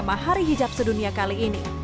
tema hari hijab sedunia kali ini